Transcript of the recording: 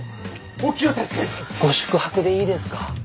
ご宿泊でいいですか？